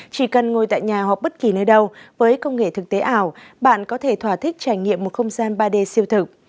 chỉ cần ngồi tại nhà hoặc bất kỳ nơi đâu với công nghệ thực tế ảo bạn có thể thỏa thích trải nghiệm một không gian ba d siêu thực